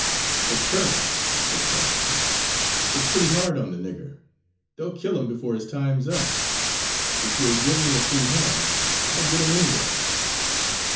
"But, Colonel," said Caxton, "it's pretty hard on the nigger. They'll kill him before his time's up. If you'll give me a free hand, I'll get him anyway."